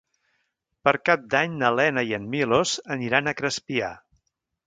Per Cap d'Any na Lena i en Milos aniran a Crespià.